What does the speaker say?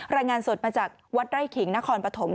รายงานสดมาจากวัดไร่ขิงนครปฐม